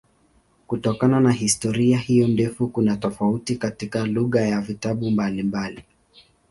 Kutokana na historia hiyo ndefu kuna tofauti katika lugha ya vitabu mbalimbali.